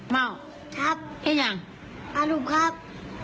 ว่าครับ